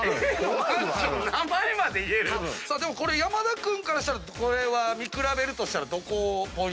これ山田君からしたら見比べるとしたらどこを？